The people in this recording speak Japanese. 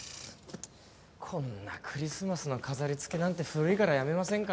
こんなクリスマスの飾り付けなんて古いからやめませんか？